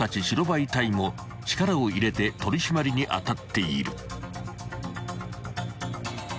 白バイ隊も力を入れて取り締まりに当たっている］